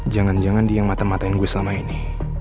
jangan jangan dia yang mata matain gue selama ini